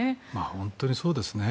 本当にそうですね。